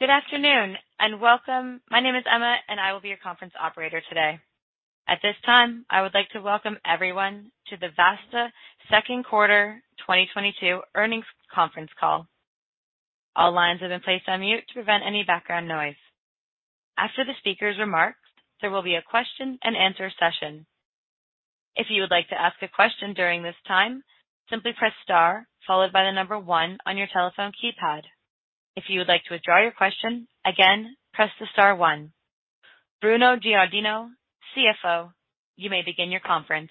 Good afternoon, and welcome. My name is Emma, and I will be your conference operator today. At this time, I would like to welcome everyone to the Vasta Second Quarter 2022 Earnings Conference Call. All lines have been placed on mute to prevent any background noise. After the speaker's remarks, there will be a question-and-answer session. If you would like to ask a question during this time, simply press star followed by the number one on your telephone keypad. If you would like to withdraw your question, again, press the star one. Bruno Giardino, CFO, you may begin your conference.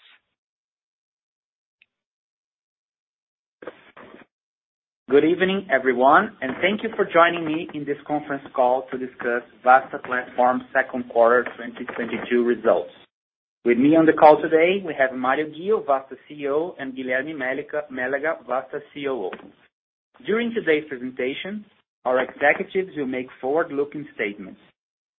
Good evening, everyone, and thank you for joining me in this conference call to discuss Vasta Platform's second quarter 2022 results. With me on the call today, we have Mário Ghio, Vasta CEO, and Guilherme Mélega, Vasta COO. During today's presentation, our executives will make forward-looking statements.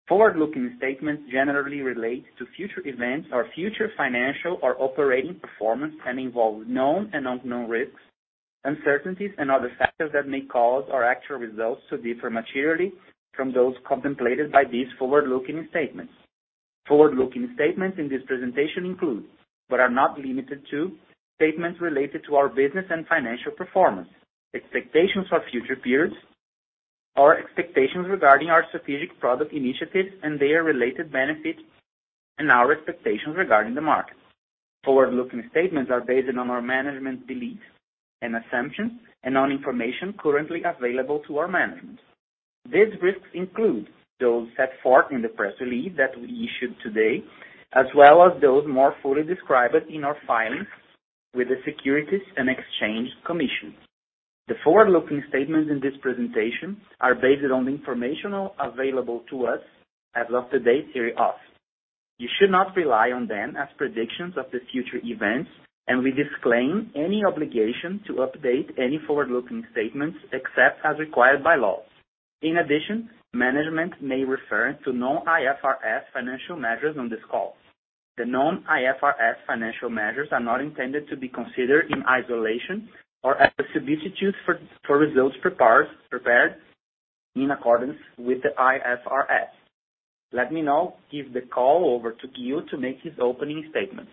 Forward-looking statements generally relate to future events or future financial or operating performance and involve known and unknown risks, uncertainties, and other factors that may cause our actual results to differ materially from those contemplated by these forward-looking statements. Forward-looking statements in this presentation include, but are not limited to, statements related to our business and financial performance, expectations for future periods, our expectations regarding our strategic product initiatives and their related benefits, and our expectations regarding the market. Forward-looking statements are based on our management beliefs and assumptions and on information currently available to our management. These risks include those set forth in the press release that we issued today, as well as those more fully described in our filings with the Securities and Exchange Commission. The forward-looking statements in this presentation are based on information available to us as of the day they are. You should not rely on them as predictions of the future events, and we disclaim any obligation to update any forward-looking statements except as required by law. In addition, management may refer to non-IFRS financial measures on this call. The non-IFRS financial measures are not intended to be considered in isolation or as a substitute for results prepared in accordance with the IFRS. Let me now give the call over to Ghio to make his opening statements.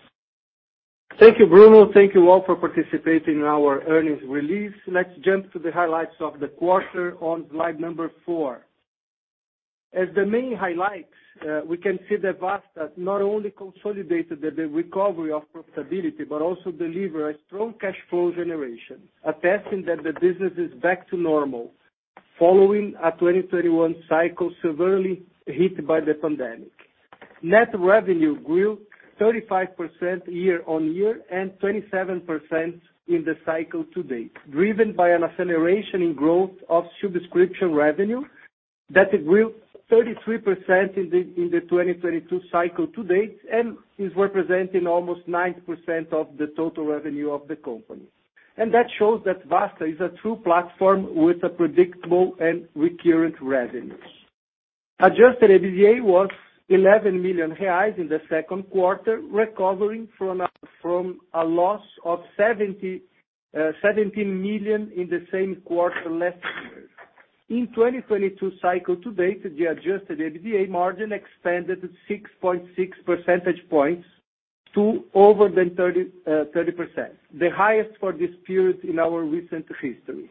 Thank you, Bruno. Thank you all for participating in our earnings release. Let's jump to the highlights of the quarter on slide number four. As the main highlights, we can see that Vasta not only consolidated the recovery of profitability, but also delivered a strong cash flow generation, attesting that the business is back to normal following a 2021 cycle severely hit by the pandemic. Net revenue grew 35% year-over-year and 27% in the cycle to date, driven by an acceleration in growth of subscription revenue that grew 33% in the 2022 cycle to date and is representing almost 9% of the total revenue of the company. That shows that Vasta is a true platform with a predictable and recurrent revenue. Adjusted EBITDA was 11 million reais in the second quarter, recovering from a loss of 17 million in the same quarter last year. In 2022 cycle to date, the adjusted EBITDA margin expanded 6.6 percentage points to over 30%, the highest for this period in our recent history.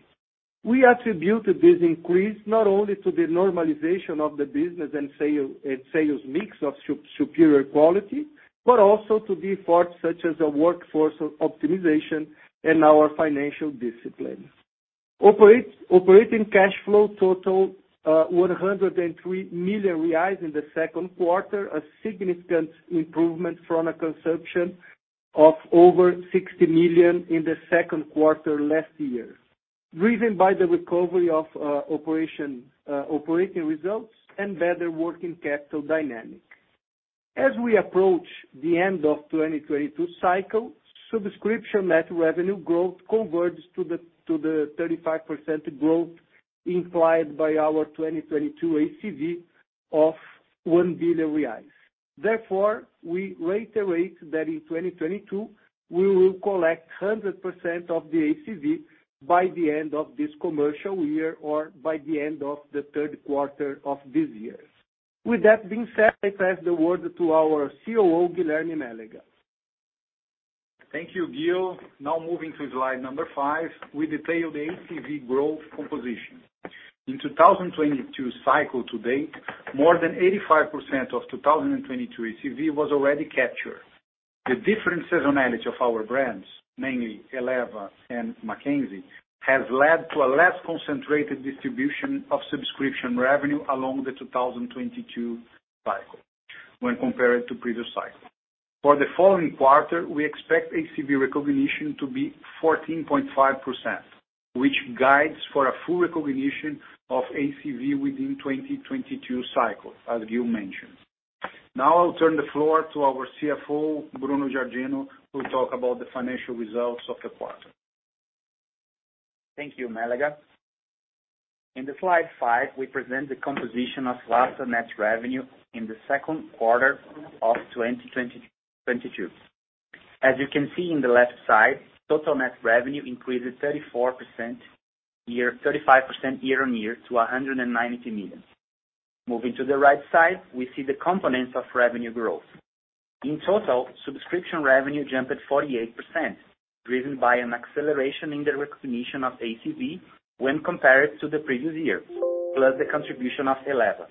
We attribute this increase not only to the normalization of the business and sales mix of superior quality, but also to efforts such as the workforce optimization and our financial discipline. Operating cash flow totaled 103 million reais in the second quarter, a significant improvement from a consumption of over 60 million in the second quarter last year, driven by the recovery of operating results and better working capital dynamics. As we approach the end of 2022 cycle, subscription net revenue growth converges to the 35% growth implied by our 2022 ACV of 1 billion reais. Therefore, we reiterate that in 2022 we will collect 100% of the ACV by the end of this commercial year or by the end of the third quarter of this year. With that being said, I pass the word to our COO, Guilherme Mélega. Thank you, Ghio. Now moving to slide number five, we detail the ACV growth composition. In 2022 cycle to date, more than 85% of 2022 ACV was already captured. The different seasonality of our brands, mainly Eleva and Mackenzie, has led to a less concentrated distribution of subscription revenue along the 2022 cycle when compared to previous cycle. For the following quarter, we expect ACV recognition to be 14.5%, which guides for a full recognition of ACV within 2022 cycle, as Ghio mentioned. Now I'll turn the floor to our CFO, Bruno Giardino, to talk about the financial results of the quarter. Thank you, Mélega. In slide five, we present the composition of Vasta net revenue in the second quarter of 2022. As you can see in the left side, total net revenue increased 35% year-on-year to 190 million. Moving to the right side, we see the components of revenue growth. In total, subscription revenue jumped to 48%, driven by an acceleration in the recognition of ACV when compared to the previous year, plus the contribution of Eleva.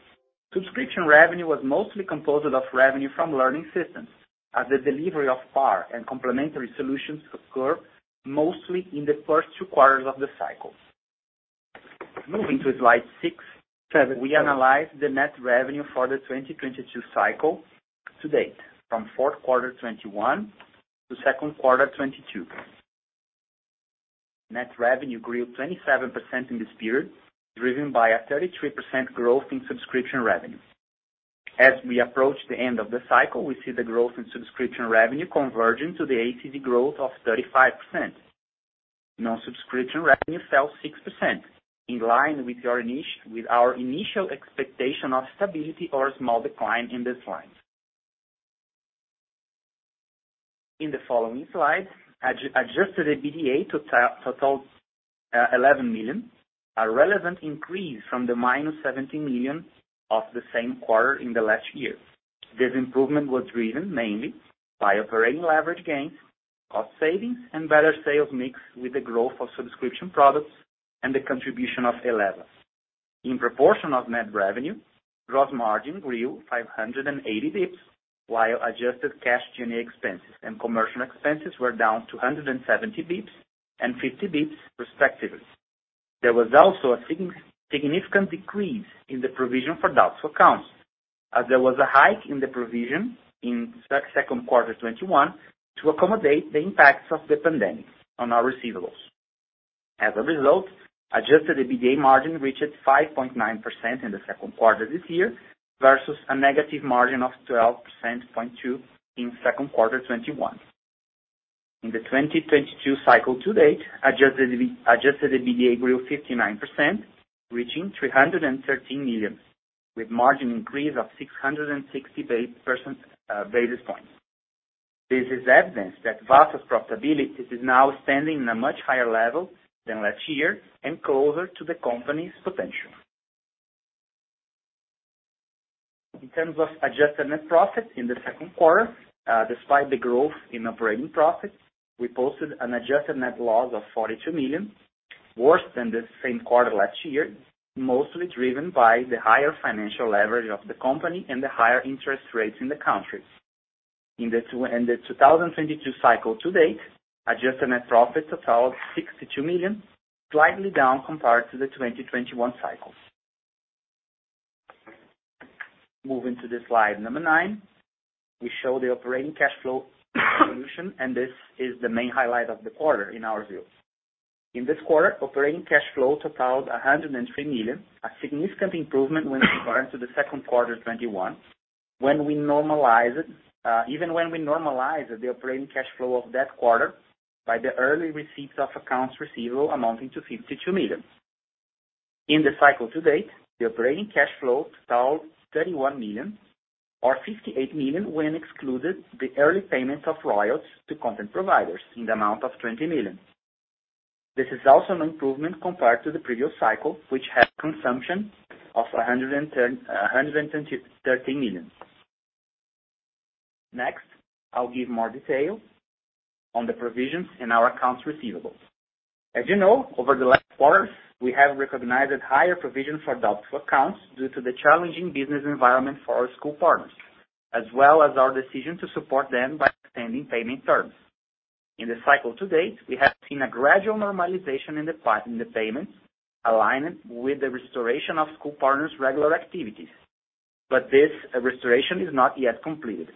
Subscription revenue was mostly composed of revenue from learning systems, as the delivery of PAR and complementary solutions occur mostly in the first two quarters of the cycle. Moving to slide six, we analyze the net revenue for the 2022 cycle to date, from fourth quarter 2021 to second quarter 2022. Net revenue grew 27% in this period, driven by a 33% growth in subscription revenue. As we approach the end of the cycle, we see the growth in subscription revenue converging to the ACV growth of 35%. Non-subscription revenue fell 6%, in line with our initial expectation of stability or a small decline in this line. In the following slide, adjusted EBITDA totaled 11 million, a relevant increase from -70 million of the same quarter in the last year. This improvement was driven mainly by operating leverage gains, cost savings, and better sales mix with the growth of subscription products and the contribution of Eleva. In proportion of net revenue, gross margin grew 580 basis points, while adjusted cash G&A expenses and commercial expenses were down 270 basis points and 50 basis points respectively. There was also a significant decrease in the provision for doubtful accounts, as there was a hike in the provision in second quarter 2021 to accommodate the impacts of the pandemic on our receivables. As a result, adjusted EBITDA margin reached 5.9% in the second quarter this year versus a negative margin of 12.2% in second quarter 2021. In the 2022 cycle to date, adjusted EBITDA grew 59%, reaching 313 million, with margin increase of 660 basis points. This is evidence that Vasta's profitability is now standing in a much higher level than last year and closer to the company's potential. In terms of adjusted net profit in the second quarter, despite the growth in operating profit, we posted an adjusted net loss of 42 million, worse than the same quarter last year, mostly driven by the higher financial leverage of the company and the higher interest rates in the country. In the 2022 cycle to date, adjusted net profit totaled 62 million, slightly down compared to the 2021 cycle. Moving to the slide number nine we show the operating cash flow evolution, and this is the main highlight of the quarter in our view. In this quarter, operating cash flow totaled 103 million, a significant improvement when compared to the second quarter 2021, when we normalize it, even when we normalize the operating cash flow of that quarter by the early receipts of accounts receivable amounting to 52 million. In the cycle to date, the operating cash flow totaled 31 million or 58 million when excluded the early payment of royalties to content providers in the amount of 20 million. This is also an improvement compared to the previous cycle, which had consumption of 113 million. Next, I'll give more detail on the provisions in our accounts receivable. As you know, over the last quarters, we have recognized higher provisions for doubtful accounts due to the challenging business environment for our school partners, as well as our decision to support them by extending payment terms. In the cycle to date, we have seen a gradual normalization in the payments aligned with the restoration of school partners' regular activities. This restoration is not yet completed.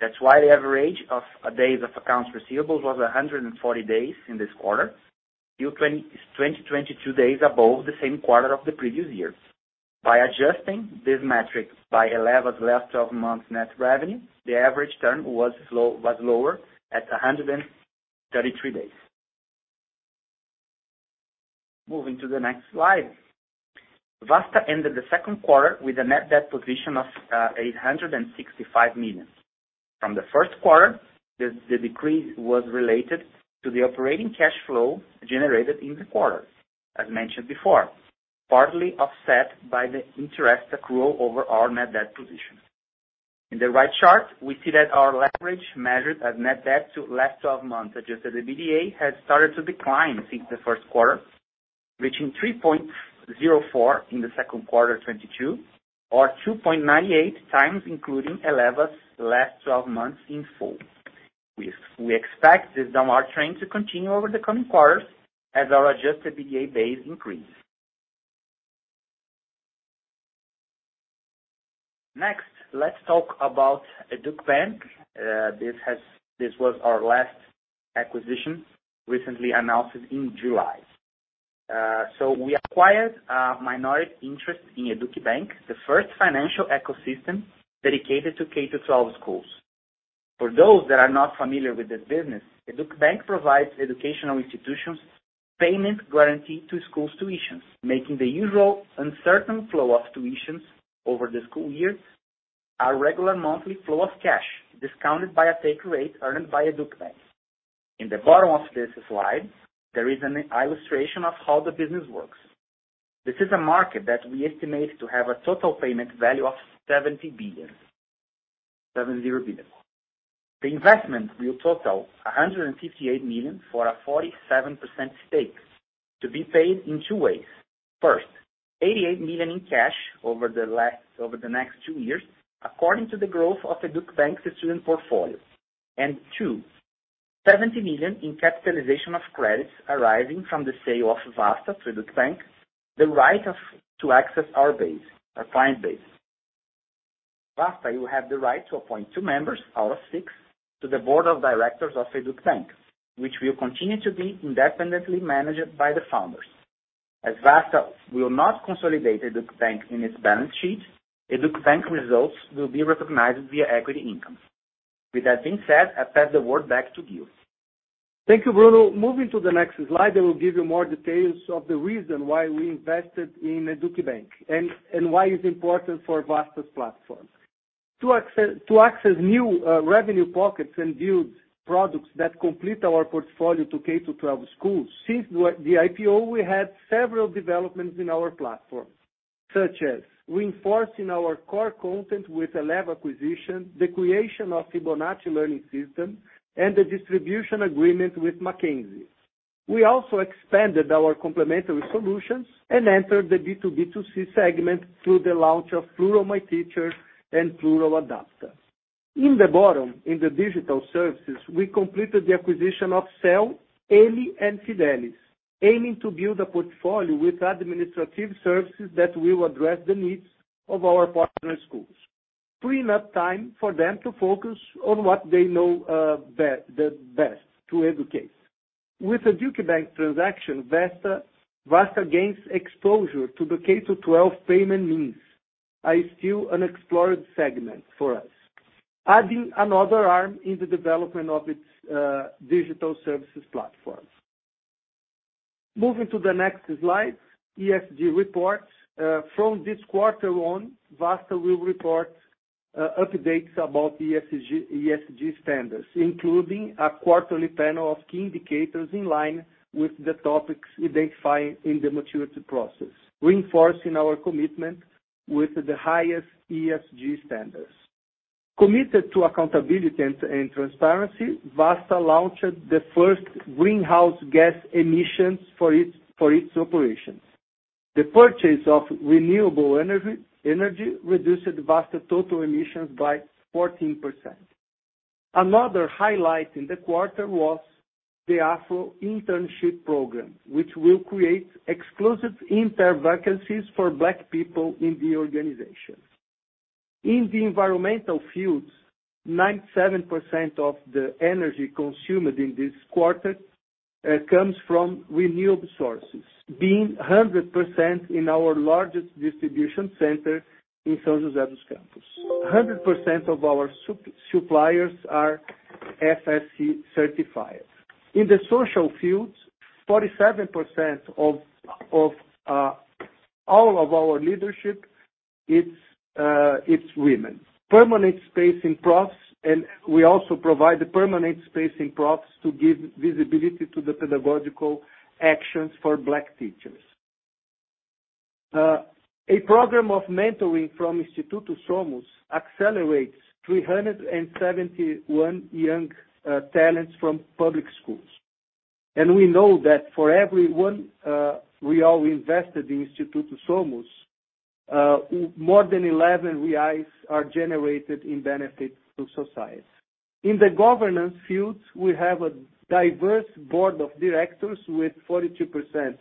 That's why the average of days of accounts receivables was 140 days in this quarter, grew 22 days above the same quarter of the previous year. By adjusting these metrics by Eleva's last twelve months net revenue, the average turn was lower at 133 days. Moving to the next slide. Vasta ended the second quarter with a net debt position of 865 million. From the first quarter, the decrease was related to the operating cash flow generated in the quarter, as mentioned before, partly offset by the interest accrual over our net debt position. In the right chart, we see that our leverage measured as net debt to last twelve months adjusted EBITDA has started to decline since the first quarter, reaching 3.04 in the second quarter 2022 or 2.98 times including Eleva's last twelve months in full. We expect this downward trend to continue over the coming quarters as our adjusted EBITDA base increase. Next, let's talk about Educbank. This was our last acquisition, recently announced in July. So we acquired a minority interest in Educbank, the first financial ecosystem dedicated to K-12 schools. For those that are not familiar with this business, Educbank provides educational institutions payment guarantee to schools' tuitions, making the usual uncertain flow of tuitions over the school years a regular monthly flow of cash discounted by a take rate earned by Educbank. In the bottom of this slide, there is an illustration of how the business works. This is a market that we estimate to have a total payment value of 70 billion. The investment will total 158 million for a 47% stake to be paid in two ways. First, 88 million in cash over the next two years, according to the growth of Educbank's student portfolio. Two, 70 million in capitalization of credits arising from the sale of Vasta to Educbank, the right to access our base, our client base. Vasta will have the right to appoint two members out of six to the board of directors of Educbank, which will continue to be independently managed by the founders. As Vasta will not consolidate Educbank in its balance sheet, Educbank results will be recognized via equity income. With that being said, I pass the word back to Ghio. Thank you, Bruno. Moving to the next slide, I will give you more details of the reason why we invested in Educbank and why it's important for Vasta's platform. To access new revenue pockets and build products that complete our portfolio to K-12 schools, since the IPO, we had several developments in our platform, such as reinforcing our core content with Eleva acquisition, the creation of Fibonacci learning system and the distribution agreement with Mackenzie. We also expanded our complementary solutions and entered the B2B2C segment through the launch of Plurall My Teacher and Plurall Adapta. In the bottom, in the digital services, we completed the acquisition of SEL, Eleva and Phidelis, aiming to build a portfolio with administrative services that will address the needs of our partner schools, freeing up time for them to focus on what they know, be the best, to educate. With Educbank transaction, Vasta gains exposure to the K-12 payment means, a still unexplored segment for us, adding another arm in the development of its digital services platform. Moving to the next slide, ESG reports. From this quarter on, Vasta will report updates about ESG standards, including a quarterly panel of key indicators in line with the topics identified in the maturity process, reinforcing our commitment with the highest ESG standards. Committed to accountability and transparency, Vasta launched the first greenhouse gas emissions for its operations. The purchase of renewable energy reduced Vasta total emissions by 14%. Another highlight in the quarter was the Afro internship program, which will create exclusive intern vacancies for Black people in the organization. In the environmental fields, 97% of the energy consumed in this quarter comes from renewable sources, being 100% in our largest distribution center in São José dos Campos. 100% of our suppliers are FSC certified. In the social fields, 47% of all of our leadership, it's women. Permanent space in PROFs, and we also provide a permanent space in PROFs to give visibility to the pedagogical actions for Black teachers. A program of mentoring from Instituto SOMOS accelerates 371 young talents from public schools. We know that for every 1 BRL invested in Instituto SOMOS, more than 11 reais are generated in benefit to society. In the governance fields, we have a diverse board of directors with 42%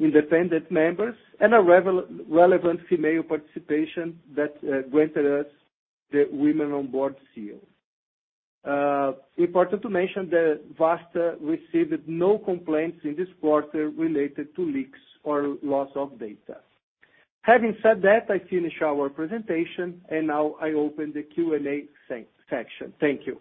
independent members and a relevant female participation that granted us the Women on Boards seal. Important to mention that Vasta received no complaints in this quarter related to leaks or loss of data. Having said that, I finish our presentation, and now I open the Q&A section. Thank you.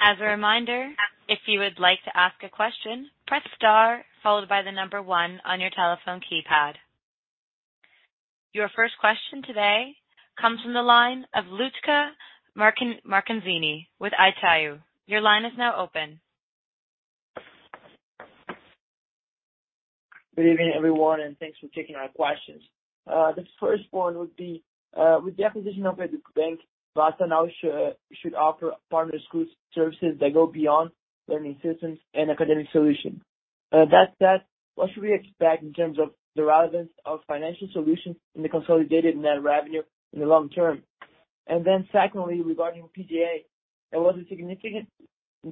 As a reminder, if you would like to ask a question, press star followed by the number one on your telephone keypad. Your first question today comes from the line of Lucca Marquezini with Itaú. Your line is now open. Good evening, everyone, and thanks for taking our questions. This first one would be, with the acquisition of Educbank, Vasta now should offer partner school services that go beyond learning systems and academic solutions. That said, what should we expect in terms of the relevance of financial solutions in the consolidated net revenue in the long term? And then secondly, regarding PDA, there was a significant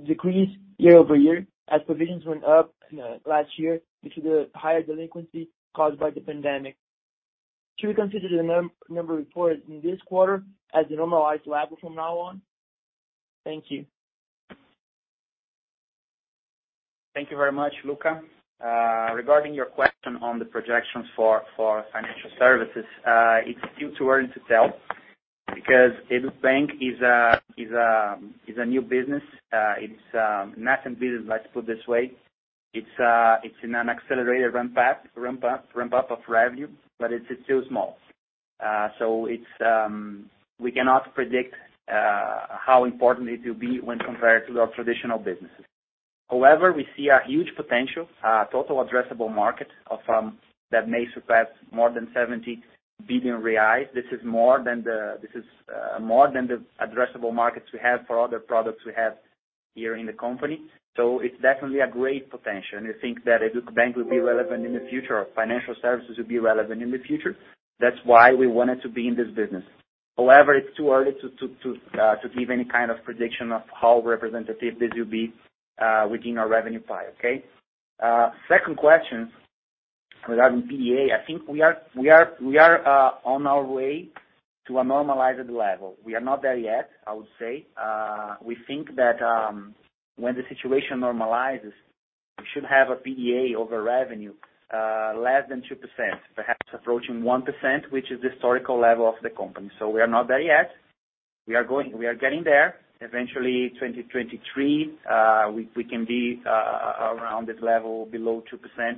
decrease year over year as provisions went up last year due to the higher delinquency caused by the pandemic. Should we consider the number reported in this quarter as the normalized level from now on? Thank you. Thank you very much, Lucas. Regarding your question on the projections for financial services, it's still too early to tell. Because Educbank is a new business. It's nascent business, let's put it this way. It's in an accelerated ramp up of revenue, but it's still small. So we cannot predict how important it will be when compared to our traditional businesses. However, we see a huge potential, a total addressable market that may surpass more than 70 billion reais. This is more than the addressable markets we have for other products we have here in the company. So it's definitely a great potential, and we think that Educbank will be relevant in the future, financial services will be relevant in the future. That's why we wanted to be in this business. However, it's too early to give any kind of prediction of how representative this will be within our revenue pie, okay? Second question, regarding PDA, I think we are on our way to a normalized level. We are not there yet, I would say. We think that when the situation normalizes, we should have a PDA over revenue less than 2%, perhaps approaching 1%, which is the historical level of the company. So we are not there yet. We are getting there. Eventually, 2023, we can be around this level below 2%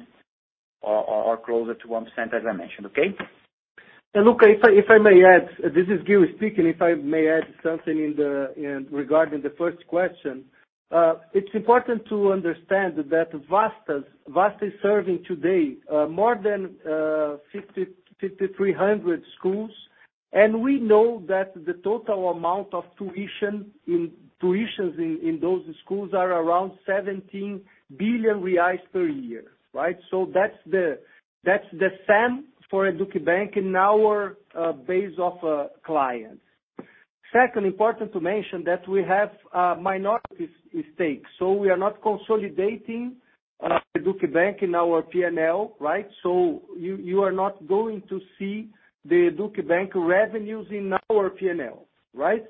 or closer to 1%, as I mentioned. Okay? Luca, if I may add, this is Ghio speaking. If I may add something regarding the first question. It's important to understand that Vasta is serving today more than 5,300 schools, and we know that the total amount of tuitions in those schools are around 17 billion reais per year, right? That's the SAM for Educbank in our base of clients. Second, important to mention that we have a minority stake, so we are not consolidating Educbank in our P&L, right? You are not going to see the Educbank revenues in our P&L, right?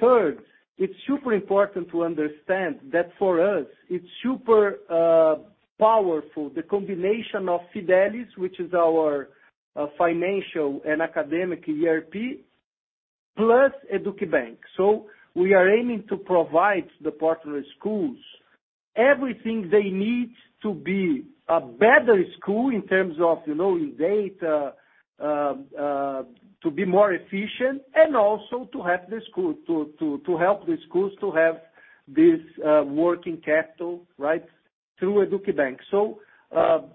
Third, it's super important to understand that for us, it's super powerful, the combination of Phidelis, which is our financial and academic ERP, plus Educbank. We are aiming to provide the partner schools everything they need to be a better school in terms of, you know, in data, to be more efficient and also to help the schools to have this working capital, right, through Educbank.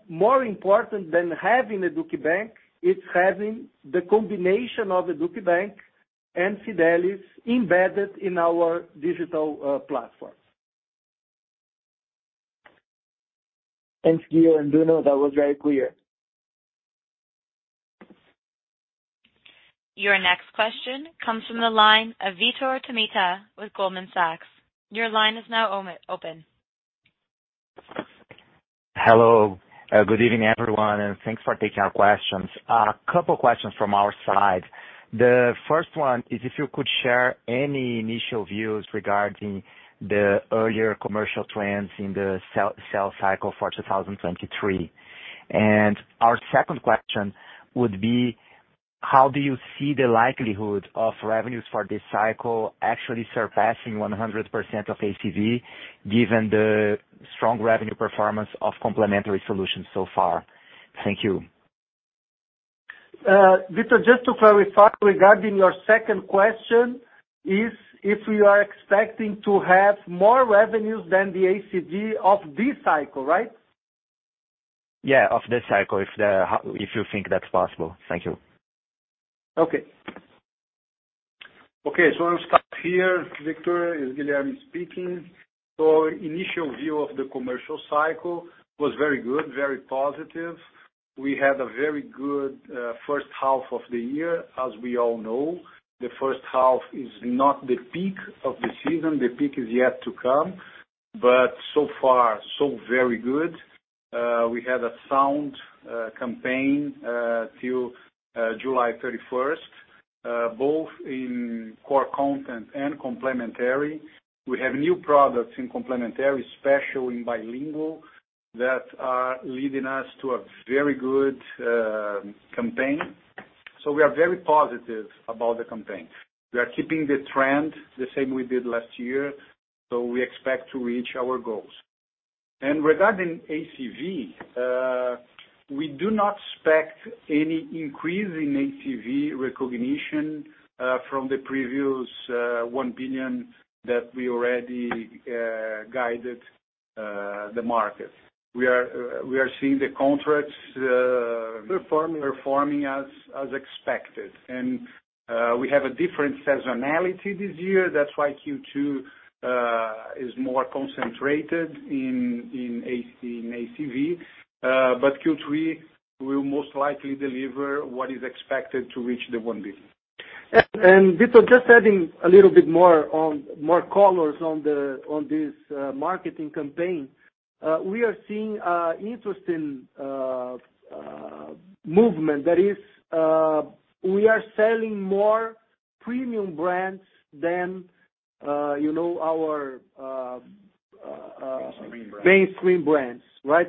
More important than having Educbank, it's having the combination of Educbank and Phidelis embedded in our digital platform. Thanks, Ghio and Bruno. That was very clear. Your next question comes from the line of Vitor Tomita with Goldman Sachs. Your line is now open. Hello. Good evening, everyone, and thanks for taking our questions. A couple questions from our side. The first one is if you could share any initial views regarding the earlier commercial trends in the SEL cycle for 2023. Our second question would be, how do you see the likelihood of revenues for this cycle actually surpassing 100% of ACV, given the strong revenue performance of complementary solutions so far? Thank you. Vitor, just to clarify regarding your second question, is if we are expecting to have more revenues than the ACV of this cycle, right? Yeah, of this cycle. If you think that's possible. Thank you. Okay. Okay, I'll start here, Vitor. It's Guilherme speaking. Initial view of the commercial cycle was very good, very positive. We had a very good first half of the year, as we all know. The first half is not the peak of the season. The peak is yet to come, but so far, so very good. We had a sound campaign till July 31st both in core content and complementary. We have new products in complementary, especially in bilingual, that are leading us to a very good campaign. We are very positive about the campaign. We are keeping the trend the same we did last year, so we expect to reach our goals. Regarding ACV, we do not expect any increase in ACV recognition from the previous 1 billion that we already guided the market. We are seeing the contracts. Performing Performing as expected. We have a different seasonality this year. That's why Q2 is more concentrated in ACV. Q3 will most likely deliver what is expected to reach 1 billion. Vitor, just adding a little bit more colors on this marketing campaign. We are seeing interesting movement. That is, we are selling more premium brands than you know, our Mainstream brands. Mainstream brands, right?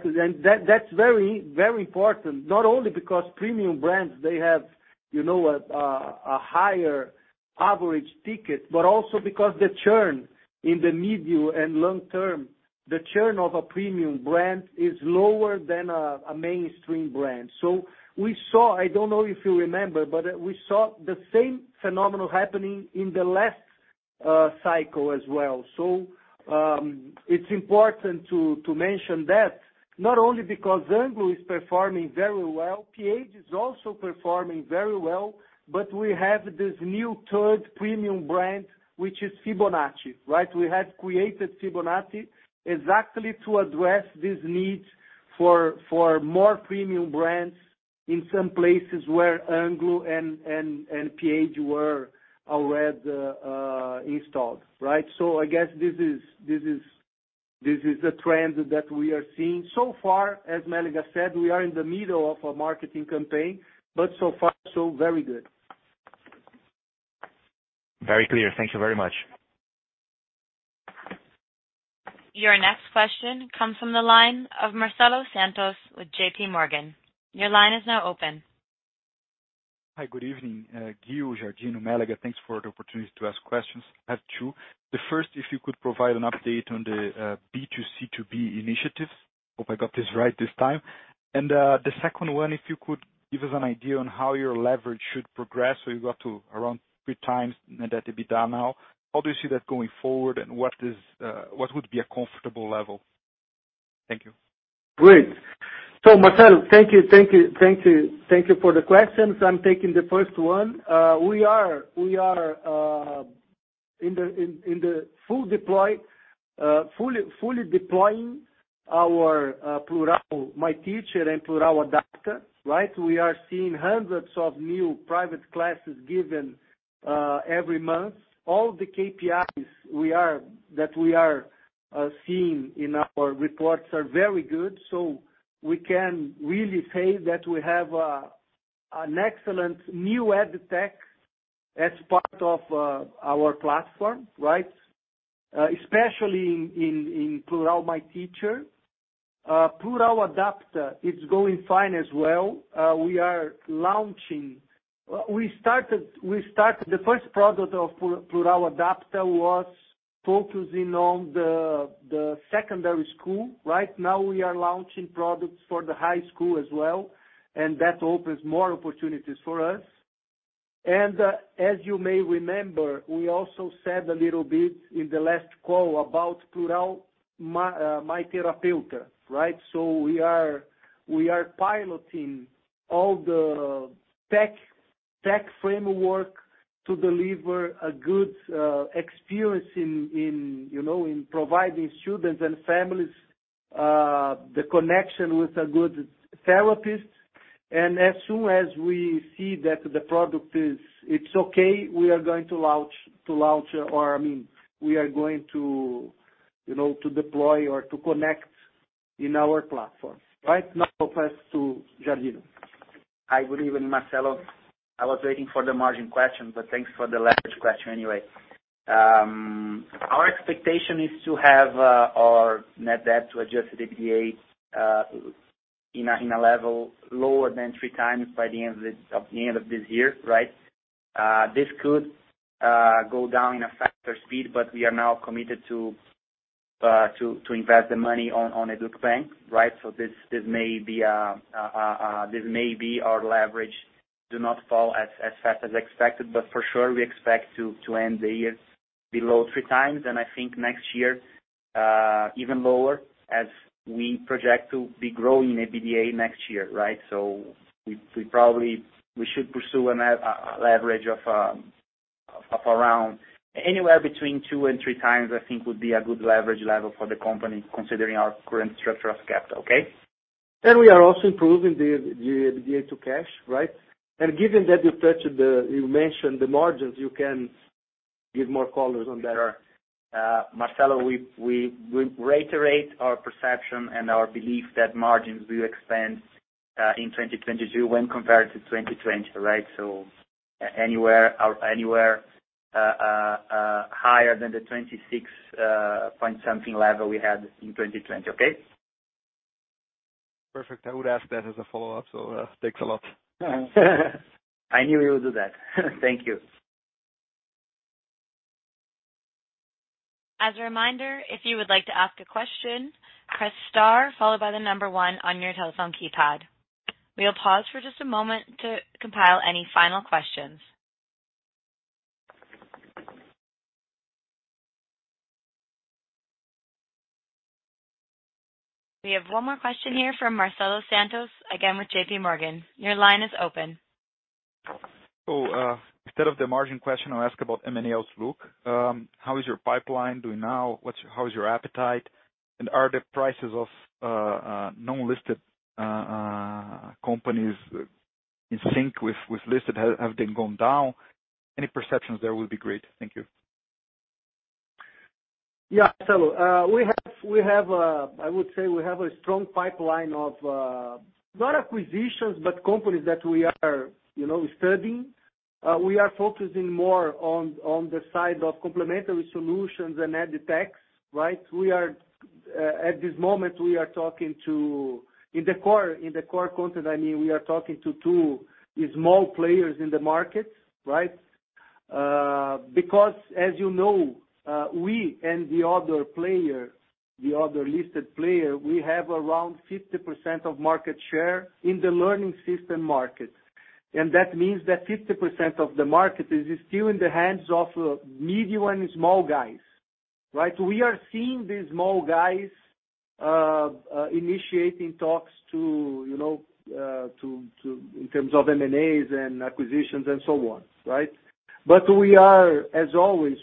That's very, very important, not only because premium brands, they have, you know, a higher average ticket, but also because the churn in the medium and long term, the churn of a premium brand is lower than a mainstream brand. We saw. I don't know if you remember, but we saw the same phenomenon happening in the last cycle as well. It's important to mention that not only because Anglo is performing very well, pH is also performing very well, but we have this new third premium brand, which is Fibonacci, right? We have created Fibonacci exactly to address this need for more premium brands in some places where Anglo and pH were already installed, right? I guess this is a trend that we are seeing. So far, as Mélega said, we are in the middle of a marketing campaign, but so far, so very good. Very clear. Thank you very much. Your next question comes from the line of Marcelo Santos with JPMorgan. Your line is now open. Hi, good evening, Ghio, Giardino, Mélega. Thanks for the opportunity to ask questions. I have two. The first, if you could provide an update on the B2B2C initiatives. Hope I got this right this time. The second one, if you could give us an idea on how your leverage should progress. You got to around 3x net EBITDA now. How do you see that going forward, and what would be a comfortable level? Thank you. Great. Marcelo, thank you for the questions. I'm taking the first one. We are in the full deploy—fully deploying our Plurall My Teacher and Plurall Adapta, right? We are seeing hundreds of new private classes given every month. All the KPIs that we are seeing in our reports are very good. We can really say that we have an excellent new ed tech as part of our platform, right? Especially in Plurall My Teacher. Plurall Adapta is going fine as well. We are launching. We started. The first product of Plurall Adapta was focusing on the secondary school, right? Now we are launching products for the high school as well, and that opens more opportunities for us. As you may remember, we also said a little bit in the last call about Plurall My Therapeuta, right? We are piloting all the tech framework to deliver a good experience in you know, in providing students and families the connection with a good therapist. As soon as we see that the product is, it's okay, we are going to launch, or I mean, we are going to you know, to deploy or to connect in our platform, right? Now I'll pass to Giardino. Hi, good evening, Marcelo. I was waiting for the margin question, but thanks for the leverage question anyway. Our expectation is to have our net debt to adjusted EBITDA in a level lower than three times by the end of this year, right? This could go down in a faster speed, but we are now committed to invest the money on Educbank, right? So this may be our leverage do not fall as fast as expected, but for sure we expect to end the year below three times. I think next year, even lower as we project to be growing EBITDA next year, right? We probably should pursue a leverage of around anywhere between 2x and 3x. I think would be a good leverage level for the company, considering our current structure of capital. Okay. We are also improving the EBITDA to cash, right? Given that you mentioned the margins, you can give more color on that. Sure. Marcelo, we reiterate our perception and our belief that margins will expand in 2022 when compared to 2020, right? Anywhere higher than the 26 point something level we had in 2020. Okay? Perfect. I would ask that as a follow-up, so, thanks a lot. I knew you would do that. Thank you. As a reminder, if you would like to ask a question, press star followed by the number one on your telephone keypad. We'll pause for just a moment to compile any final questions. We have one more question here from Marcelo Santos, again with JPMorgan. Your line is open. Instead of the margin question, I'll ask about M&A outlook. How is your pipeline doing now? How is your appetite? And are the prices of non-listed companies in sync with listed? Have they gone down? Any perceptions there will be great. Thank you. Yeah, Marcelo. We have a strong pipeline of not acquisitions, but companies that we are, you know, studying. We are focusing more on the side of complementary solutions and ed techs, right? In the core content, I mean, we are talking to two small players in the market, right? Because as you know, we and the other player, the other listed player, we have around 50% of market share in the learning system market. That means that 50% of the market is still in the hands of medium and small guys, right? We are seeing these small guys initiating talks, you know, in terms of M&As and acquisitions and so on, right? We are, as always,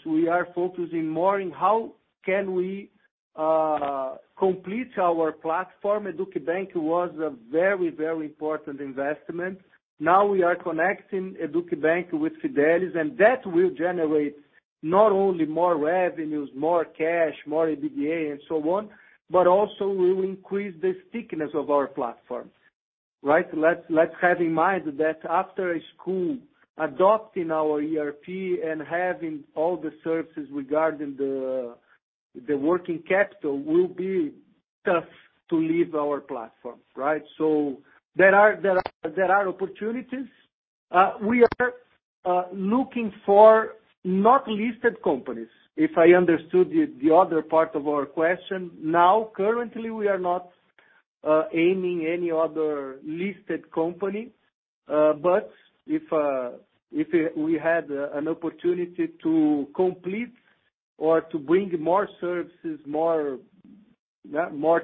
focusing more on how we can complete our platform. Educbank was a very important investment. Now we are connecting Educbank with Phidelis, and that will generate not only more revenues, more cash, more EBITDA and so on, but also will increase the stickiness of our platform, right? Let's have in mind that after a school adopting our ERP and having all the services regarding the working capital will be tough to leave our platform, right? There are opportunities. We are looking for not listed companies. If I understood the other part of our question, currently, we are not aiming any other listed company. If we had an opportunity to complete or to bring more services, more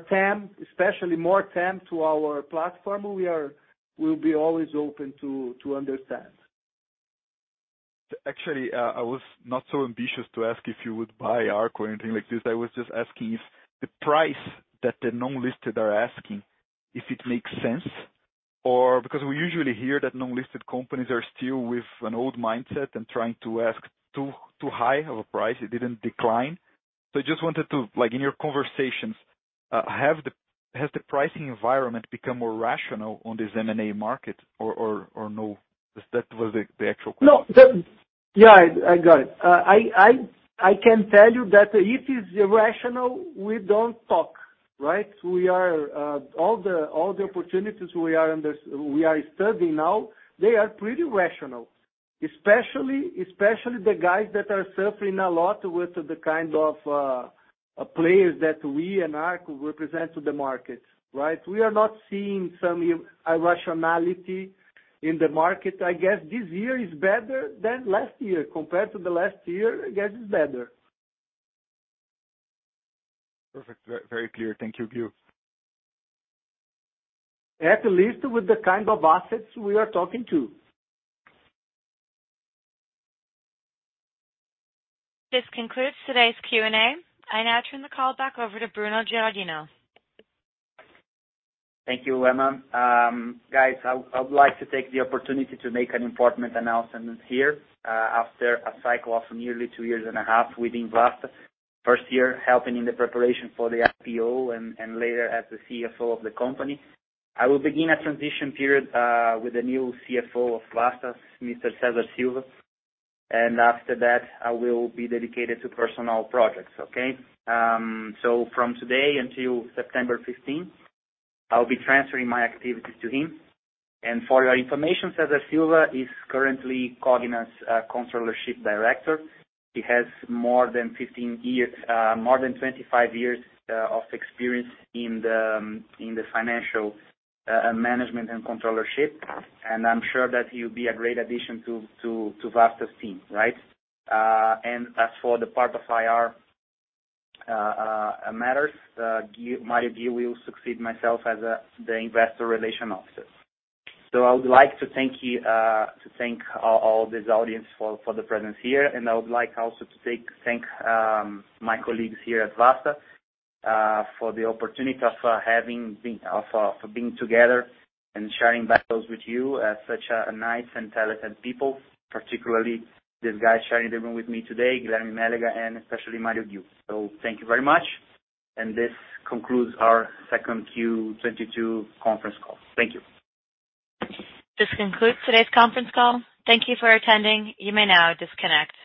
TAM, especially more TAM to our platform, we'll be always open to understand. Actually, I was not so ambitious to ask if you would buy Arco or anything like this. I was just asking if the price that the non-listed are asking makes sense or. Because we usually hear that non-listed companies are still with an old mindset and trying to ask too high of a price. It didn't decline. I just wanted to, like, in your conversations, has the pricing environment become more rational on this M&A market or no? That was the actual question. No. Yeah, I got it. I can tell you that if it's irrational, we don't talk, right? We are all the opportunities we are studying now, they are pretty rational, especially the guys that are suffering a lot with the kind of players that we and Arco represent to the market, right? We are not seeing some irrationality in the market. I guess this year is better than last year. Compared to the last year, I guess it's better. Perfect. Very clear. Thank you, Ghio. At least with the kind of assets we are talking to. This concludes today's Q&A. I now turn the call back over to Bruno Giardino. Thank you, Emma. Guys, I would like to take the opportunity to make an important announcement here. After a cycle of nearly two years and a half within Vasta, first year helping in the preparation for the IPO and later as the CFO of the company. I will begin a transition period with the new CFO of Vasta, Mr. César Silva. After that, I will be dedicated to personal projects, okay? So from today until September fifteenth, I'll be transferring my activities to him. For your information, César Silva is currently Cogna's controllership director. He has more than 25 years of experience in the financial management and controllership, and I'm sure that he'll be a great addition to Vasta's team, right? As for the part of IR matters, Mário Ghio will succeed myself as the Investor Relations Officer. I would like to thank all this audience for the presence here. I would like also to thank my colleagues here at Vasta for the opportunity of being together and sharing battles with you as such a nice and talented people, particularly this guy sharing the room with me today, Guilherme Mélega, and especially Mário Ghio. Thank you very much. This concludes our 2Q22 conference call. Thank you. This concludes today's conference call. Thank you for attending. You may now disconnect.